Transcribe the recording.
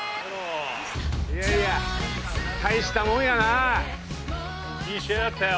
いやいや大したもんやないい試合だったよ